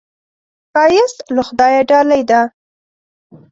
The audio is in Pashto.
ښایست له خدایه ډالۍ ده